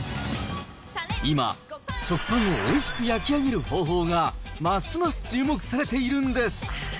今、食パンをおいしく焼き上げる方法がますます注目されているんです。